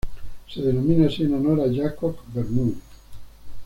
Se denomina así en honor a Jakob Bernoulli.